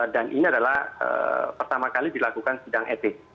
ini adalah pertama kali dilakukan sidang etik